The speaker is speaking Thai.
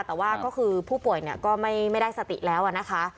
แต่ว่าก็คือผู้ป่วยเนี่ยก็ไม่ได้สติแล้วนะคะ